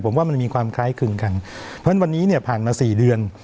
ผมว่ามันมีความคล้ายคลึงกันเพราะฉะนั้นวันนี้เนี่ยผ่านมาสี่เดือน